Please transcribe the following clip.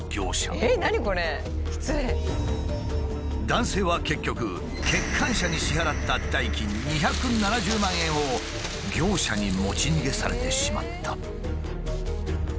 男性は結局欠陥車に支払った代金２７０万円を業者に持ち逃げされてしまった。